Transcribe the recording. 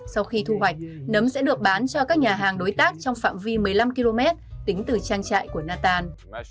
sau khi thu hoạch nấm sẽ được bán cho các nhà hàng đối tác trong phạm vi một mươi năm km tính từ trang trại của natan